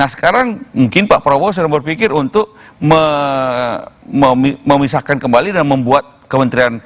nah sekarang mungkin pak prabowo sudah berpikir untuk memisahkan kembali dan membuat kementerian